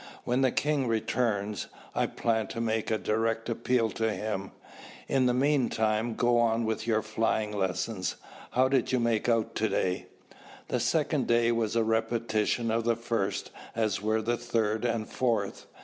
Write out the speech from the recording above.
When the king returns. I plan to make a direct appeal to him. In the meantime, go on with your flying lessons. How did you make out to day?" The second day was a repetition of the first, as were the third and fourth.